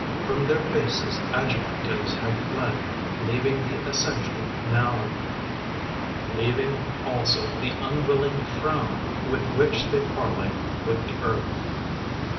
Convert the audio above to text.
From their faces adjectives have fled, Leaving the essential noun: Leaving also the unwilling frown With which they parley with the earth